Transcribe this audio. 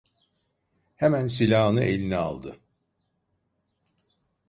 Hemen silahını eline aldı.